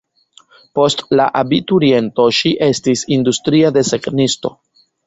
Post la abituriento ŝi estis industria desegnisto.